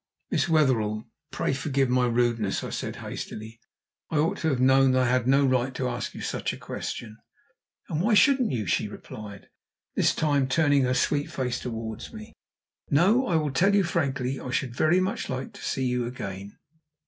"Miss Wetherell, pray forgive my rudeness," I said hastily. "I ought to have known I had no right to ask you such a question." "And why shouldn't you?" she replied, this time turning her sweet face towards me. "No, I will tell you frankly, I should very much like to see you again."